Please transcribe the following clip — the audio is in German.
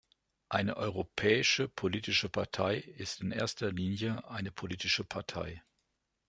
Eine europäische politische Partei ist in erster Linie eine politische Partei.